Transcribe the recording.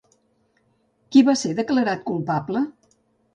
Qui va ser declarat culpable?